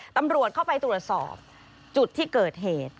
ตำรวจเข้าไปตรวจสอบจุดที่เกิดเหตุ